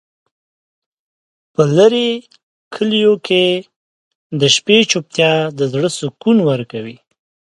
په لرې کلیو کې د شپې چوپتیا د زړه سکون ورکوي.